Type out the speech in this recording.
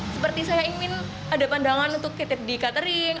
seperti saya ingin ada pandangan untuk titip di catering